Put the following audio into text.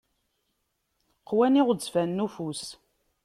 Qwan iɣezzfanen ufus.